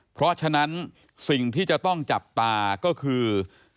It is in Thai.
เพราะฉะนั้นสิ่งที่จะต้องจับตาก็คือ